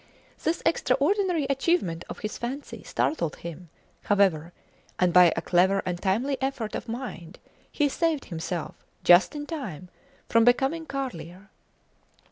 This extraordinary achievement of his fancy startled him, however, and by a clever and timely effort of mind he saved himself just in time from becoming Carlier.